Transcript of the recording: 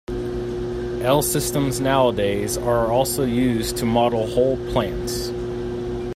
L-systems nowadays are also used to model whole plants.